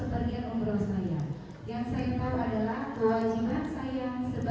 harusnya apa persyaratanmu itu